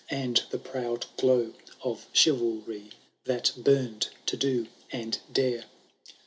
And the proud glow of Chivalry, That bum*d to do and dare.